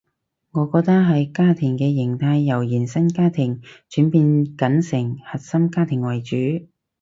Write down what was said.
我覺得係家庭嘅型態由延伸家庭轉變緊成核心家庭為主